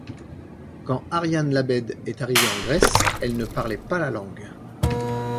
Quand Ariane Labed est arrivée en Grèce, elle ne parlait pas la langue.